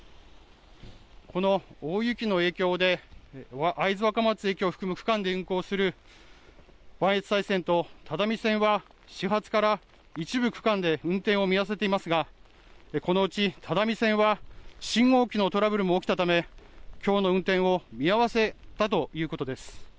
この大雪の影響で会津若松駅を含む区間で運行する磐越西線と只見線は始発から一部区間で運転を見合わせていますがこのうち只見線は信号機のトラブルも起きたため、きょうの運転を見合わせたということです。